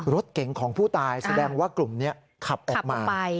รถเก๋งของผู้ตายแสดงว่ากลุ่มนี้ขับออกมา